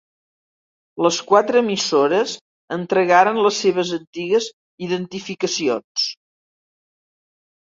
Les quatre emissores entregaren les seves antigues identificacions.